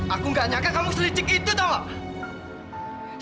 aku gak nyangka kamu selicik itu tau gak